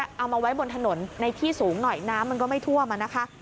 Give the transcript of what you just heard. เอามาไว้บนถนนในที่สูงหน่อยน้ำมันก็ไม่ท่วมอ่ะนะคะ